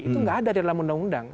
itu nggak ada dalam undang undang